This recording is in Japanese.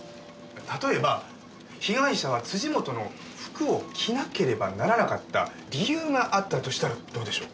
例えば被害者は本の服を着なければならなかった理由があったとしたらどうでしょう。